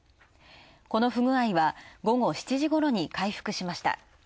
この不具合は午後７時ごろに回復しました。